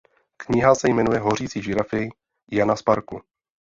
Kniha se jmenuje Hořící žirafy. Jana z parku.